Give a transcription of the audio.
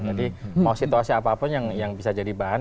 jadi mau situasi apapun yang bisa jadi bahan